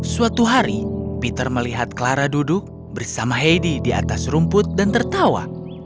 suatu hari peter melihat clara duduk bersama heidi di atas rumput dan tertawa